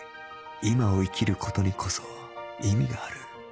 今を生きる事にこそ意味がある